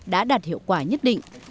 đã đạt hiệu quả nhất định